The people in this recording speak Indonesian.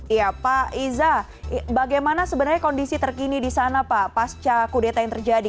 iya pak iza bagaimana sebenarnya kondisi terkini di sana pak pasca kudeta yang terjadi